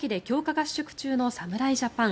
合宿中の侍ジャパン。